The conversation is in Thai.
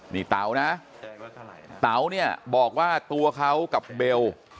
นี่เต๋านะเต๋าเนี่ยบอกว่าตัวเขากับเบล